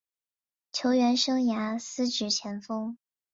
球员生涯司职前锋。